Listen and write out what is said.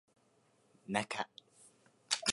なか